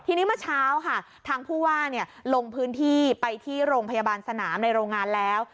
ทีนี้เมื่อเช้าค่ะทางผู้ว่าลงพื้นที่ไปที่โรงพยาบาลสนามในโรงงานแล้ว